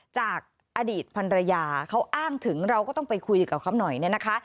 จากอดีตพันรยาเขาอ้างถึงเราก็ต้องไปคุยกับเขาหน่อยเนี่ยนะคะ